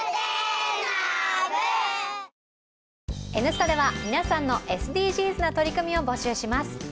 「Ｎスタ」では皆さんのＳＤＧｓな取り組みを募集します。